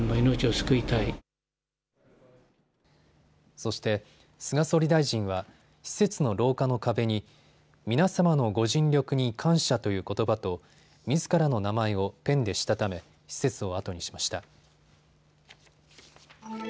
そして菅総理大臣は施設の廊下の壁に皆様のご尽力に感謝ということばとみずからの名前をペンでしたため施設を後にしました。